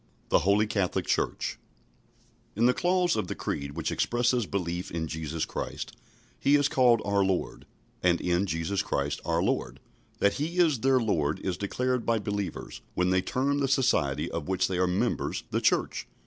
THE HOLY CATHOLIC CHURCH In the clause of the Creed which expresses belief in Jesus Christ, He is called our Lord "And in Jesus Christ our Lord." That He is their Lord is declared by believers, when they term the society of which they are members "the Church."